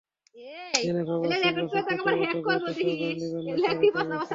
Geneva বা সিমলা চুক্তিকে অতো গুরুত্ব সহকারে নিবেন না, তারিক পারভেজ স্যার।